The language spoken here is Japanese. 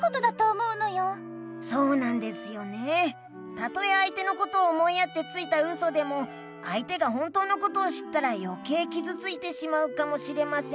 たとえあいてのことを思いやってついたウソでもあいてが本当のことを知ったらよけいきずついてしまうかもしれませんし。